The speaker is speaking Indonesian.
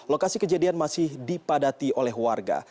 lokasi kejadian masih dipadati oleh warga